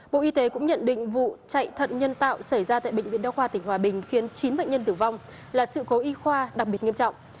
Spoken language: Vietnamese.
bộ y tế cũng nhận định vụ chạy thận nhân tạo xảy ra tại bệnh viện đa khoa tỉnh hòa bình khiến chín bệnh nhân tử vong là sự cố y khoa đặc biệt nghiêm trọng